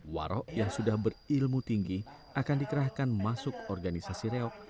warok yang sudah berilmu tinggi akan dikerahkan masuk organisasi reok